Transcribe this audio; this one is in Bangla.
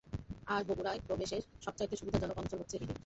আর বগুড়ায় প্রবেশের সবচাইতে সুবিধাজনক অঞ্চল হচ্ছে "হিলি"।